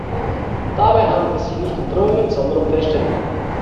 Dabei handelt es sich nicht um Drohungen, sondern um Feststellungen.